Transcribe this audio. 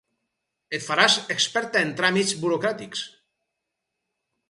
Et faràs experta en tràmits burocràtics!